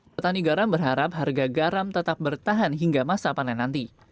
petani garam berharap harga garam tetap bertahan hingga masa panen nanti